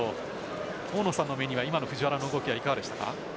大野さんの目には藤原の動きはどうでしたか？